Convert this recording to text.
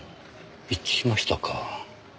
一致しましたか。